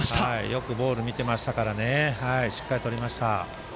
よくボール見てましたからしっかり、とりました。